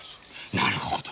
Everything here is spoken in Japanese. なるほど！